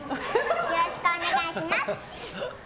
よろしくお願いします。